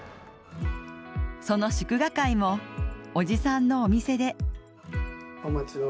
その祝賀会も、おじさんのお店で。